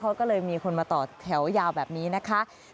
เขาก็เลยมีคนมาต่อแถวยาวแบบนี้นะคะ